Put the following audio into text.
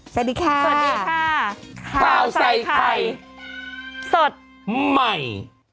สวัสดีค่ะสวัสดีค่ะข้าวใส่ไข่สดใหม่